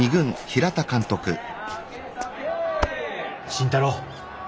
慎太郎。